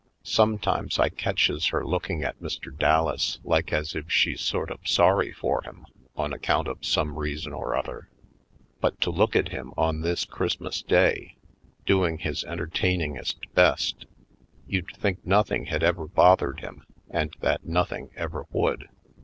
Sometimes I catches her looking at Mr. Dallas like as if she's sort of sorry for him on account of some reason or other. But to look at him on this Christmas Day, doing his entertain ingest best, you'd think nothing had ever bothered him and that nothing ever would.